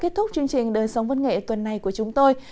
kết thúc chương trình đời sống văn nghệ tuần này của chúng tôi